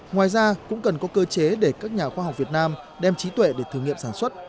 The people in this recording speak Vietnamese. ngoài ra cũng cần có cơ chế để các nhà khoa học việt nam đem trí tuệ để thử nghiệm sản xuất